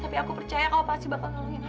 tapi aku percaya kau pasti bakal ngeluhin aku